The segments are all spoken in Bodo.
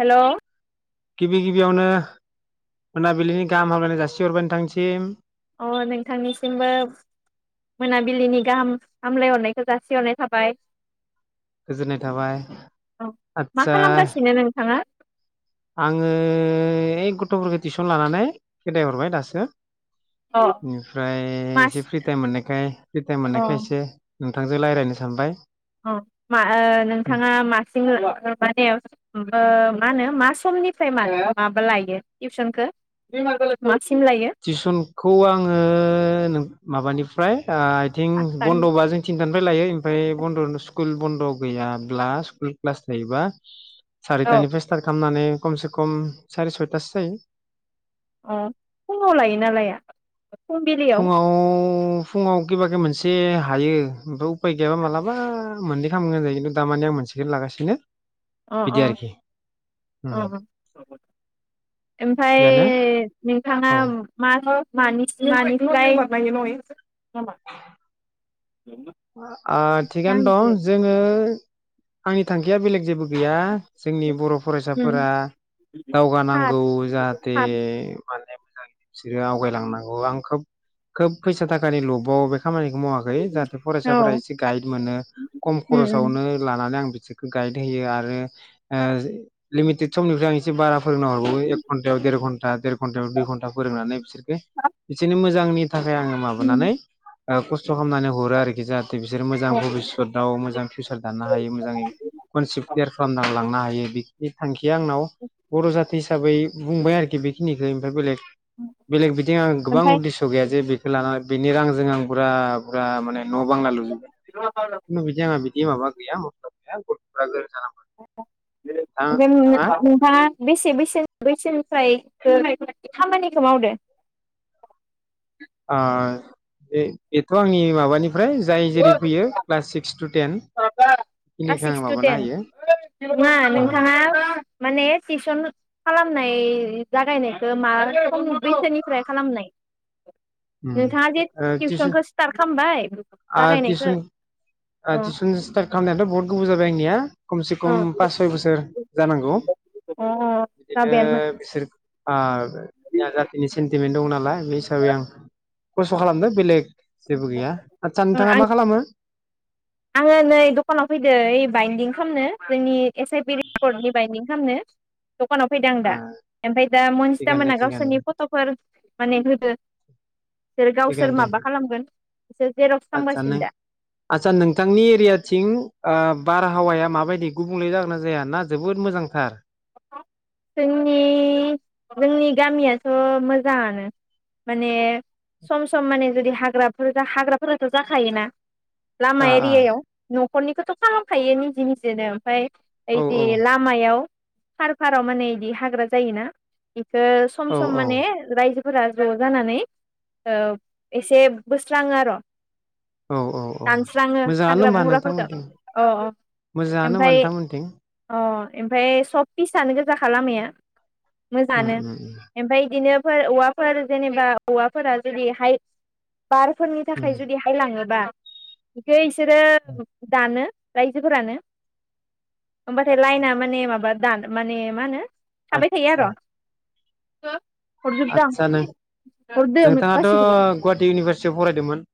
हेल गिबि गिबियावनो मोनाबिलिनि गाहाम हामलायनाय जासिहरबाय नोंथांसिम अ नोंथांनिसिमबो मोनाबिलिनि गाहाम हामलायहरनायखौ जासिहरनाय थाबाय गोजोननाय थाबाय औ मा आदसा खालामगासिनो नोंथाङा आङो ओइ गथफोरखौ टिउसन लानानै खेदथाय हरबाय दासो अ ओमफ्राय मास एसे फ्रि टाइम मोननायखाय फ्रि टाइम अ मोननायखाय एसे नोंथांजों रायज्लायनो सानबाय अ मा ओ नोंथाङा मासिं [unintelligible] मा होनो मा समनिफ्राय मानो माबा लायो टिउसनखौ? मासिम लायो टिउसनखौ आङो माबानिफ्राय आइथिं बन्दबा जों ओफ्राय लायो ओ बनदननो सु स्कुल बन्द गैयाब्ला स्कुल क्लास थायोबा औ सारितानिफ्राय स्टार्ट खालामनानै कमसे कम सार सयथासो जायो अ फुङाव लायो नालाया? फुङाव फुङाव गेबा गेब मोनसे हायो ओमफ्राय उफाय गैयाबा मालाबा मोननै खालामगोन जायो खिथु दामान आं मोनसेखौनो लागासिनो अ बिदि आरोखि अ ओमफ्राय थिगानो नोंथाङा औ मा [unintelligible] नामा अ थिगानो आंनिखो दं जोङो आंनि थांखिया बेलेग जेबो गैया जोंनि बर उम फरायसाफोरा खात दावगानांगौ जाहाथे खात माने बिसोरो आवगायलांनांगौ आं खोब खोब फैसा थाखानि लबाव बे खामानिखौ मावाखै जाथ औ फरायसाफोरा इसे गाइड मोनो खम उम खरसावनो लाना माने आं बिसोरखौ गाइड होयो आरो ओ लिमिटेड समनिफ्राय आं इसे बारा फोरोंना हरबावो एक घन्टायाव देर घन्टा देर घन्टायाव दुइ घन्टा फोरोंनानै बिसोरखो बिसोरनि मोजांनि थाखाय आङो उम माबानानै ओ खस्थ खालामनानै हरो आरो [unintelligible] जाथे बिसोरो मोजां औ भबिसतआव मोजां फिउसार दाननो हायो मोजाङै कनसेप्ट क्लियार खालामना लांनो हायो बे थांखि जे आंनाव बर जाथ बे हिसाबै बुंबाय आरोखि बेखिनिखो ओमफ्राय बेलेग बेलेग बिदिं आं गोबां ओमफाय उदेस गैया जे लानानै बिनि रांजों आं बुरा बुरा माने न बांला लुजोब खुनु बिदि आंहा बि बि माबा गैया मथ्लब गैया गथफोरा रो [unintelligible] ओमफ्राय नों नोंथाङा बेसे बेसे बसेन [unintelligible] ए खामानिखौ मावदो ओ बे बेथ आंनि माबानि ओमफ्राय जाय जेरै फैयो class six to ten class बेखिनिखौ सिक्स आं टु टेन माबाना होयो नङा ओ नोंथाङा माने टिउसन खालामनाय जागायनायखौ मा सम बैसोनिफ्राय खालामनाय उम नोंथाङा जे ओ टिउसन टिउसनखौ स्टार्ट खामबाय आ टिउसन ओ अ टिसन स्टार्ट खामनायाथ बहुत गोबाव जाब [inaudible] खमसे अ खम पास सय बोसोर जानांगौ अ बिदिनो जाबायानो माथो बिसोर [inaudible] ओरैनो दं नालाय बे हिसाबै आं खस्थ खालामदो बेलेग जेबो गैया आदसा नोंथाङा आं मा खालामो आङो नै दखानाव फैदो ओइ बाइन्दिं खामनो जोंनि एस आइ पि रिपर्नि बायेदिं खामनो [unintelligible] दखानाव फैदों आं ओ दा ओमफ्राय दा मोनजिथा थिगानो दे मोना थिगानो गावसोरनि दे फट फोर माने होदो इसोर गावसोर माबा खालामगोन बिसोर जेरक्स आथसा खालामगासिनो नों दा आथसा नोंथांनि [unintelligible] थियाथिं ओ बारहावाया माबायदि गुबुंले जागोना जाया ना जोबोद मोजांथार? जोंनि जोंनि गामियाथ मोजाङानो माने सम सम माने जुदि हाग्राफोरा हाग्राफोराथ जाखायोना लामा ओ एरियायाव न' न'खरनिखौथ' खालामखायो निजे निजेनो ओमफ्राय, ओइदि ओ लामायाव [unintelligible] आव माने इदि हाग्रा जायोना इखो सम औ सम माने रायजोफो फोरा ज' जानानै ओ एसे बोस्राङो आर औ औ औ दानस्राङो मोजाङानो हाग्रा होमबा बंग्राफोरखौ नोंथांमोनथिं ओ अ मोजाङानो होमबा ओमफाय नोंथांमोनथिं अ ओमफ्राय सबनि फिसायानो गोजाखा खालामाया उम मोजाङानो उम उम ओमफाय इदिनो फोर औवाफोर जेनेबा हौवाफोरा जुदि हाइ बारफोरनि थाखाय उम जुदि हायलाङोबा गैस बिसोरो दानो रायजोफोरानो होमबाथाय आदसा लायेना माने माबा दानो [unintelligible] माने मा होनो थाबाय थायो आर, [unintelligible] आथसा नों-नोंथांङाथ गासैखौबो गुवाटि इउनिभारसिटियाव फरायदोमोन?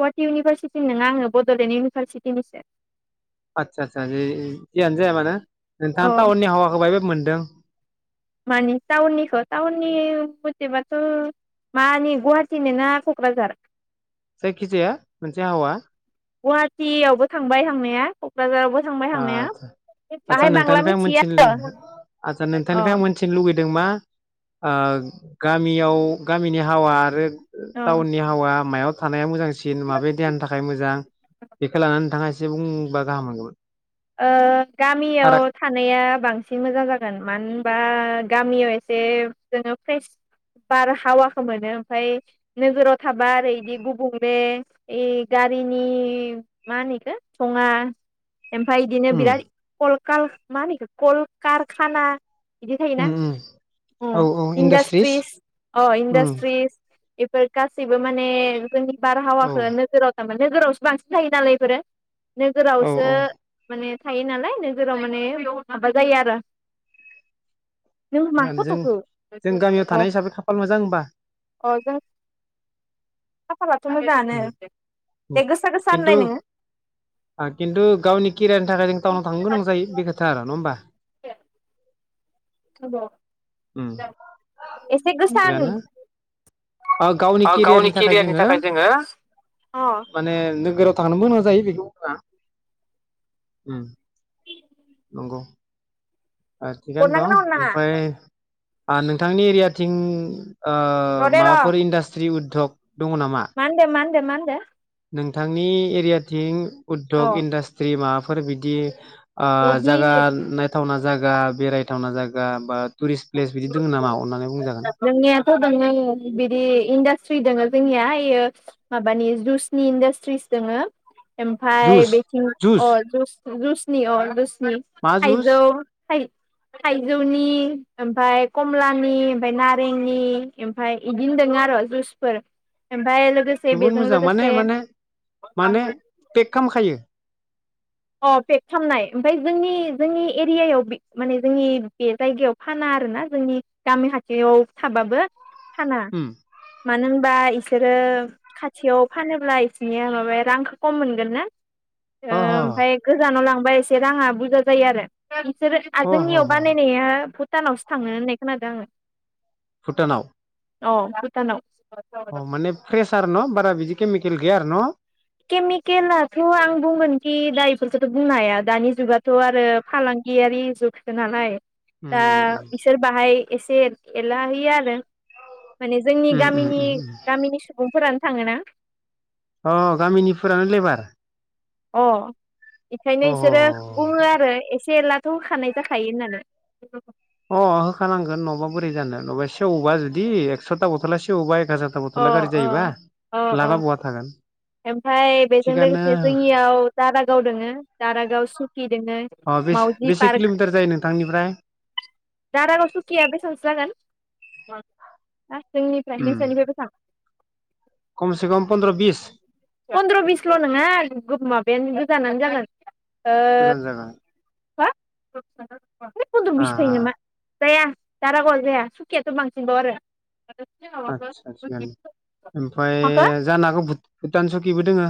गुवाटि इउनिभारसिटि नङा आङो बडलेण्ड इउनिभारसिटिनिसो । आथसा आदसा जेह जयानो जाया मानो अ नोंथांआ टाउनननि हावाखौ [unintelligible] [unintelligible] मानि टाउननिखो टाउननि थिबाथ मानि गुवाहाटिनो ना कक्राझार जायखिजाया मोनसे [unintelligible] गुवाहाटियावबो थांबाय हांनाया कक्राझारावबो थांबाय ओ थांनाया आदसा आदसा बाहाय बांला नोंथांनिफ्राय आं मिथिया मोनथिनो लो आचसा अ नोंथांनिफ्राय आं मोनथिनो लुबैदों मा ओ गामियाव गामिनि हावा आरो अ टाउननि हावा मायाव थानाया मोजांसिन माबे देहानि थाखाय मोजां बेखौ लानानै नोंथाङा एसे बुंबा गाहाम मोनगोमोन ओ गामियाव थानाया बांसिन मोजां जागोन मानो होनबा गामियाव ए एसे जोङो फ्रेस बार हावाखौ मोनो ओमफाय नोगोराव थाबा ओरै बिदि गुबुंले ओइ गारिनि मा होनो इखो धङा ओमफाय इदिनो उम बिराद कल काल मा होनो इखो कल कारखाना बिदि उम थायोना उम अ औ औ इन्डास्ट्रिस इन्डासट्रिस अ उम इन्डास्ट्रिस इफोर गासैबो माने जोंनि औ बारहावाखौ नोजोराव तामाने नोगोरावसो बांसिन थायो नालाय इफोरो औ नोगोरावसो औ ने थायो नालाय नोगोराव माने माबा जायो आरो नों मा माने जों फट'खौ जों गामियाव अ थानाय हिसाबै खाफाल मोजां होमबा अ जों खाफालाथ' मोजाङानो औ दे गोसा गोसा होनलाय खिनथु नोङो खिनथु ओ गावनि किरानि थाखाय जों ताउनाव थांनो गोनां जायो बे खोथा आरो न बा उम [unintelligible] एसे गोसा होन अ गावनि केरियारनि थाखाय जोङो अ माने नोगोराव थांनोबो गो जायो बेखौ बुंआ उम नंगौ ओ थिगानो दं हरनांगोना ओमफ्राय हरनाङा आं नोंथांनि एरियाथिं ओ र' दे र' माबाफोर इन्डास्ट्रि उद्धग दङ नामा मा होनदो मा होनदो होनदो नोंथांनि एरियाथिं अ उद्यग इन्डासट्रि माबाफो फोर बिदि आं जागा बिदि नायथावना जागा बेरायथावना जागा बा टुरिस प्लेस बिदि दङ नामा अनानै बु बुंजागोन। दङ बिदि इन्डासट्रि दोंङो जोंनिया यो माबानि जुइसनि इन्डासट्रिस दोङो। ओमफाय जुस बेथिं अ जुस ज जुइसनि अ जुइसनि मा जुस थाइजौ। थाइ थाइजौनि ओमफाय कमलानि। ओमफाय नारेंनि ओमफाय इदिनो दों आरो जुसफोर। ओमफाय लोगोसे जबोद बेजों मोजां माने लोगोसे माने माने पेक खालामखायो। अ पेक खालामनाय ओमफाय जोंनि जोंनि एरियायाव पे माने जोंनि बे जायगायाव फाना आरोना जोंनि गामि खाथियाव थाबाबो। फाना उम मानो होनबा इ। बिसोरो खाथियाव फानोब्ला इसनिया माबाया रांखौ कम मोनगोन ना। ओ अ ह। ओमफ्राय गोजानाव लांबा एसे राङा बुरजा जायो आरो। आं बिसोरो आ अह जोंनियाव अह बानायनाया भु। भुटानावसो थाङो होननाय खोनादों आङो। भुटानाव। अ भुटानाव। अ माने फ्रेसार न बारा बिदि केमकेल। खेल गैया आरो न। केमिकेलाथ आं बुंगोनखि दा इफोरफोरखौथ बुंनो हाया दानि जुगाथ आरो फालांगियारि जुगसो नालाय। दा उम इसोर बाहाय। एसे एला होया आरो। माने जोंनि उम गामिनि उम गामिनि सुबुं। फोरानो थाङोना। अ गामिनिफोरानो लेबार। अ। अ बेखायनो बिसोरो बुङो आरो एसे। एसे एलाथ होखानाय जाखायो होननानै। अ होखानांगोन नङाबा बोरै जानो नङाबा सेवबा जुदि एकसथा बथला सेवोबा। अ अ अ अ अ बहा थागोन ओमफाय बेजों थिगानो लोगोसे जोंनियाव दारागाव दोङो। दारागाव सिफ अ बेसे बेसे किलमिटार जायो नोंथांनिफ्राय। दाारागाव सुखिया बेसेबांसो जागोन। जोंनिफ्राय नोंसानिफ्राय बेसां‌ कमसे कम पन्द्र बिस। फन्द्र बिसल नङा माबायानो गोजानो जागोन। गोजान जागोन। [unintelligible] है फन्द्र आ बिस जायो आ नामा? जाया दारागावआ जाया सुखियाथ' बांसिनबाव आरो आतसा थिकआनो ओमफ्राय माखो? जानो हागौ बुद भुटान सकिबो दोङो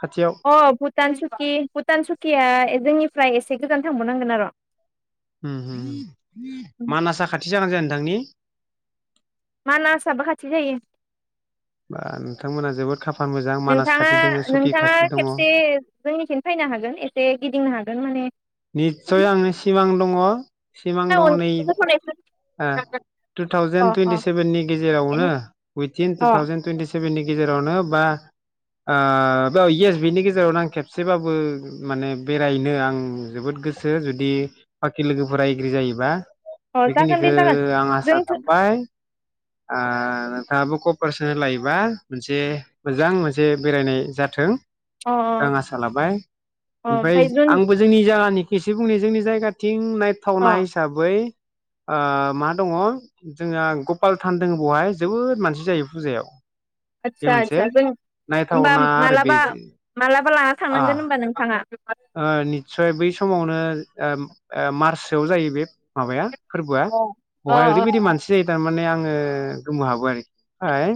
खाथियाव अ भुटान सुखि भुटान सुकिया ए जोंनि फ्राय एसे गोजान थांबावनांगोन आरो ओम हो मानसा खाथि जागोनना जाया नोंथांनि मानासाबो खाथि जायो। बा नोंथांमोना जोबोद खाफाल मोजां मानास नोंथाङा खाथि दङ सुकि नोंथाङा खाथि दङ। खेबसे जोंनिथिं फैनो हागोन एसे गिदिंनो हागोन माने निस्सय आंनि सिमां दङ सिमां अ दङ नै ओ टु अ थावजेन टुनथि अ सेभेननि गेजेरावनो बिथिं टु थावजेन टुइनथिस्क सेभेननि गेजेरावनो बा ओ बे इयेस बेनि गेजेरावनो आं खेबसेबाबो माने बेरायनो आं जोबोद गोसो जुदि बाखि लोगोफोरा एग्रि जायोबा अ जागोन दे बेखिनिखौ जागोन आं आसा जोंथ' थाबाय ओ नोंथाङाबो कपारेसन लायोबा मोनसे मोजां मोनसे बेरायनाय जाथों अ आं आसा लाबाय ओमफ्राय आंबो जोंनि जायगानि एसे बुंनो जोंनि जायगाथिं अ नायथावना हिसाबै ओ मा दङ जोंहा गपाल थान दङ बहाय जोबोद मानसि जायो फुजायाव बे आदसा मोनसे आदसा जों होनबा नायथावना आरो बे मालाबा मालाबा लाना आ थांनांगोन होनबा नोंथाङा [inaudible] ओ नि सय बै समावनो ओ ओ मार्चसोआव जायो बे माबाया फोरबोआ बहाय ओरैबायदि मानसि जायो थारमाने आं ओ गोमो हाबो आरोखि ओमफ्राय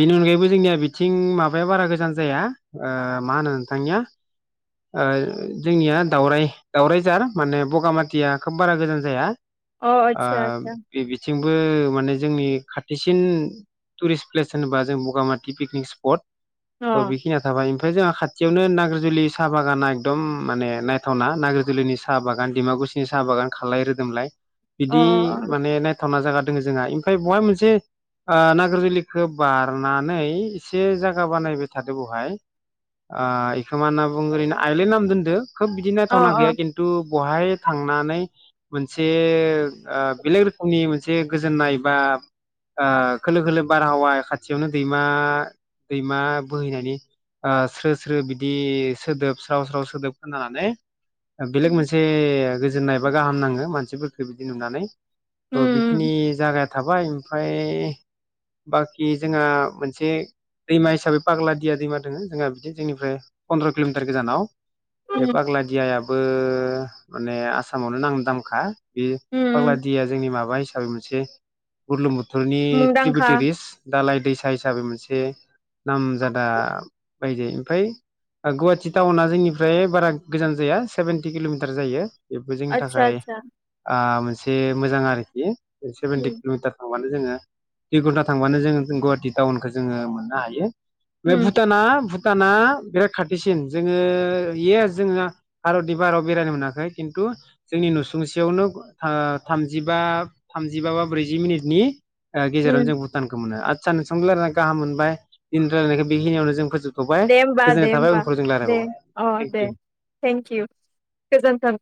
बेनि अनगायैबो जोंनिया बिथिं माबाया बारा गोजान जाया ओ मा होनो नोंथांनिया ओ जोंनिया दावराय दावरायझार माने बगामाटिया खोब बारा गोजान जाया अ आतसा आतसा बो माने जोंनि खाथिसिन टुरिस्ट प्लेस होनोबा जों बगामाथि पिकनिक स्पट अ औ बेखिना थाबाय ओमफ्राय जों खाथियावनो नाग्रि जुलि साहा बागाना एकदम माने नायथावना नाग्रि जुलिनि साहा बागान दिमाकुसिनि साहा बागान खालाय रोदोमलाय अ बिदि माने नाय थावना जागा दङ जोंहा ओमफ्राय बेहाय मोनसे नागिर जुलिखौ बारनानै एसे जागा बानायबाय थादो बेहाय आ खोमाना बुं ओरैनो आइलेन्ड नाम दोनदो खोब बिदिनो अ थावना अ गैया खिन्थु बहाय थांनानै मोनसे बेलेग रोखोमनि मोनसे गोजोननाय बा आ खोलो खोलो बारहावा खाथियावनो दैमा दैमा बोहैनायनि आ स्रो स्रो बि दि सोदोब स्राव स्राव सोदोब खोनानानै बेलेग मोनसे गोजोननायबा गाहाम नाङो मानसिफोरखौ बिदि नुनानै औ उम बेखिनि जागाया थाबाय ओमफ्राय बाखि जोंहा मोनसे दैमा हिसाबै पाग्लादिया दैमा दङ जोंहा बिदिनो जोंनिफ्राय पन्द्र किमिटार गोजानाव बे उम फाग्ला दियाया बो माने आसामावनो नाम दांमखा उम फाग्ला दिया जोंनि माबा साबि मोनसे बुर्लुंबुथुर थुरनि मुंदांखा त्रिबेटेरिएस दालाय दैसा हिसाबै मोनसे नामजादा बायजायो ओमफ्राय गुवाहाटि टाउना जोंनिफ्राय बारा गोजान जाया सेभेेनटि किलमिटार जायो बेबो जोंनि आदसा थाखाय आदसा आ मो नसे मोजां आरोखि सेभन्टि उम कलमिटार दं माने जोंङो दुइ घन्टा थांबानो जो गुवाहाटि टाउनखौ जोंङो मोननो हायो बे उम भुटाना भु टाना बेेरा खाथिसिन जोङो इयेस जोंना भारतनि भाराव बेरायनो मोनाखै खिन्थु जोंनि नुसुंसेयावनो थामजिबा थामजिबा बा ब्रैजि मिनिटनि ओ उम गेजेरावनो जों भुटानखौ मोनो आट साननसुंनो रायलायना गाहाम मोनबाय दिनै रायलायनायखौ बेखिनियावनो जों फोजोब थबाय दे होमबा गोजोन दे होमबा दे अ दे थेंकि इउ गोजोन्थों